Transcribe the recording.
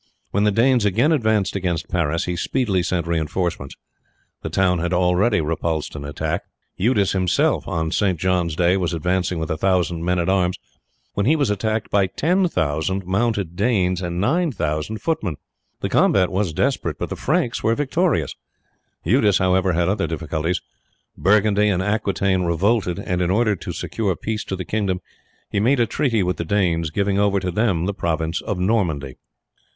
When the Danes again advanced against Paris he speedily sent reinforcements. The town had already repulsed an attack. Eudes himself on St. John's Day was advancing with 1000 men at arms when he was attacked by 10,000 mounted Danes and 9000 footmen. The combat was desperate but the Franks were victorious. Eudes, however, had other difficulties. Burgundy and Aquitaine revolted, and in order to secure peace to the kingdom he made a treaty with the Danes, giving over to them the province of Normandy.